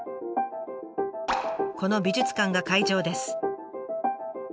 この美術館が会場です。